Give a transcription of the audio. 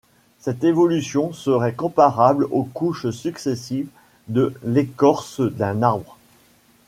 Cette évolution serait comparable aux couches successives de l'écorce d'un arbre.